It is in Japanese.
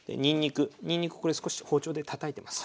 にんにくこれ少し包丁でたたいてます。